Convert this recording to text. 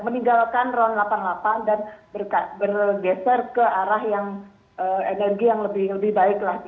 meninggalkan ron delapan puluh delapan dan bergeser ke arah yang energi yang lebih baik lagi